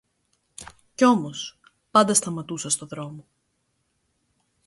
Και όμως πάντα σταματούσα στο δρόμο